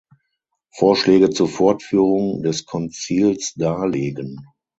Vorschläge zur Fortführung des Konzils darlegen.